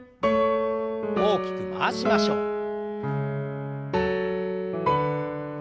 大きく回しましょう。